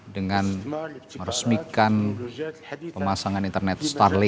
dengan meresmikan pemasangan internet starling